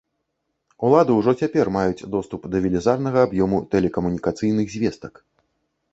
Улады ўжо цяпер маюць доступ да велізарнага аб'ёму тэлекамунікацыйных звестак.